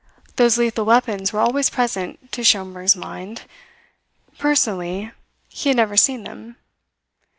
Those lethal weapons were always present to Schomberg's mind. Personally, he had never seen them.